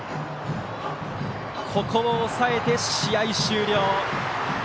ここを抑えて、試合終了。